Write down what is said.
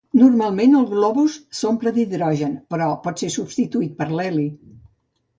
Normalment el globus s'omple d'hidrogen però pot ser substituït per l'heli.